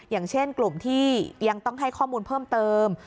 อย่างเช่นกลุ่มที่ยังต้องให้ข้อมูลเพิ่มเติม